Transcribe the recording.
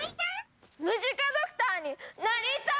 ムジカドクターになりたい！